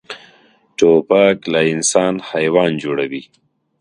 توپک له انسان حیوان جوړوي.